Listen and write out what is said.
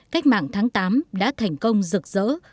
cách mạng tháng tám đã thành công rực rỡ